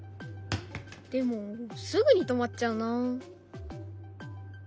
でもすぐに止まっちゃうなあ。